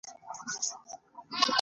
نو څومره قېمت به مې درلود.